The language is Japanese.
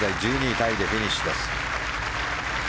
タイでフィニッシュです。